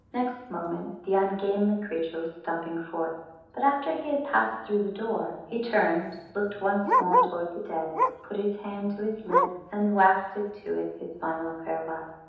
Next moment the ungainly creature was stumping forth, but after he had passed through the door, he turned, looked once more towards the dead, put his hand to his lips, and wafted to it his final farewell.